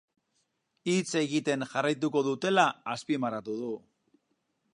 Hitz egiten jarraituko dutela azpimarratu du.